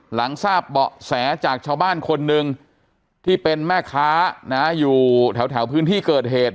หลังทราบเบาะแสจากชาวบ้านคนหนึ่งที่เป็นแม่ค้านะอยู่แถวพื้นที่เกิดเหตุ